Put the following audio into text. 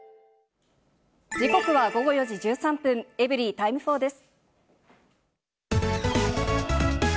時刻は午後４時１３分、エブリィタイム４です。